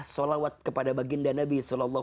sholawat kepada baginda nabi